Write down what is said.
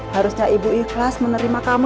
harusnya ibu ikhlas menerima kamu